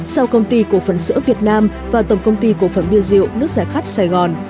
sau công ty cổ phần sữa việt nam và tổng công ty cổ phần bia rượu nước giải khát sài gòn